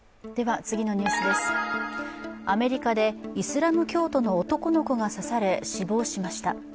アメリカでイスラム教徒の男の子が刺され死亡しました。